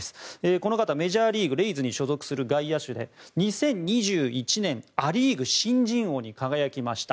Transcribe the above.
この方はメジャーリーグレイズに所属する外野手で２０２１年ア・リーグ新人王に輝きました。